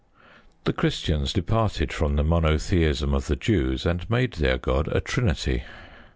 The Christians departed from the monotheism of the Jews, and made their God a Trinity.